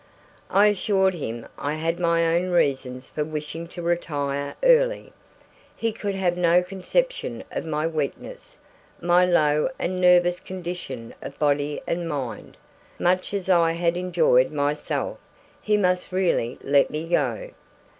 I assured him I had my own reasons for wishing to retire early. He could have no conception of my weakness, my low and nervous condition of body and mind; much as I had enjoyed myself, he must really let me go.